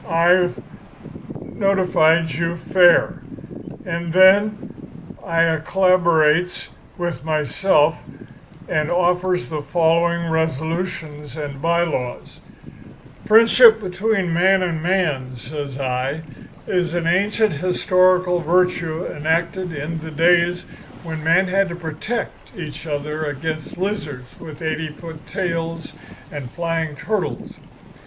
I've notified you fair.' "And then I collaborates with myself, and offers the following resolutions and by laws: "'Friendship between man and man,' says I, 'is an ancient historical virtue enacted in the days when men had to protect each other against lizards with eighty foot tails and flying turtles.